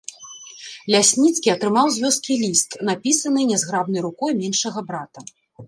Лясніцкі атрымаў з вёскі ліст, напісаны нязграбнай рукой меншага брата.